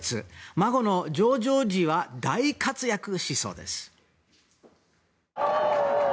孫のジョージ王子は大活躍しそうです。